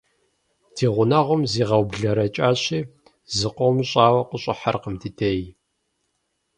Ди гъунэгъум зигъэублэрэкӀащи, зыкъом щӀауэ къыщӀыхьэркъым ди дей.